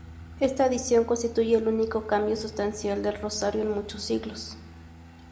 Esta adición constituye el único cambio sustancial del rosario en muchos siglos.